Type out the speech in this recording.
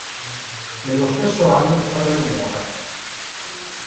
Nello stesso anno il fratello muore.